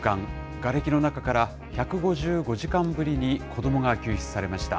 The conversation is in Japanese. がれきの中から１５５時間ぶりに子どもが救出されました。